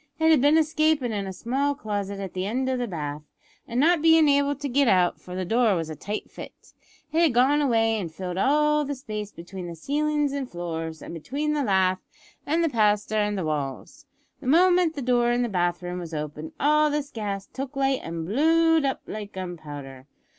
It had been escapin' in a small closet at the end o' the bath, and not bein' able to git out, for the door was a tight fit, it had gone away an' filled all the space between the ceilin's an' floors, an' between the lath, and plaster, and the walls. The moment the door in the bath room was opened all this gas took light an' blowed up like gunpowder.